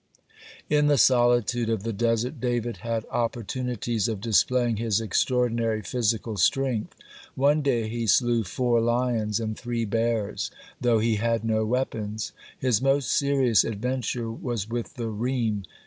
(14) In the solitude of the desert David had opportunities of displaying his extraordinary physical strength. One day he slew four lions and three bears, (15) though he had no weapons. His most serious adventure was with the reem.